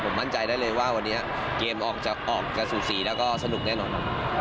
ผมมั่นใจได้เลยว่าวันนี้เกมออกจะสูสีแล้วก็สนุกแน่นอนครับ